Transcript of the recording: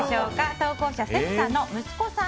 投稿者セピさんの息子さん